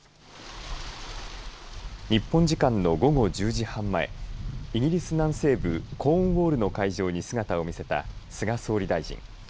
日本時間の午後１０時半前イギリス南西部コーンウォールの会場に姿を見せた菅総理大臣。